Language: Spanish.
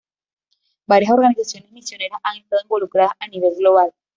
Varias organizaciones misioneras han estado involucradas a nivel global.